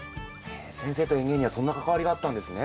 先生と園芸にはそんな関わりがあったんですね。